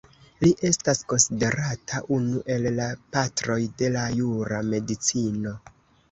Li estas konsiderata unu el la patroj de la jura medicino.